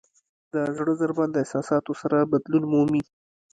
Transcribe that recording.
د زړه ضربان د احساساتو سره بدلون مومي.